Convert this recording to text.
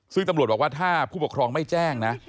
ซึ่งตำรวจบอกว่าถ้าผู้ปกครองไม่แจ้งนะ